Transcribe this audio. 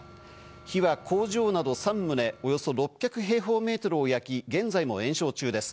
火は工場など３棟、およそ６００平方メートルを焼き、現在も延焼中です。